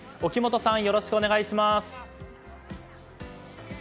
よろしくお願いします。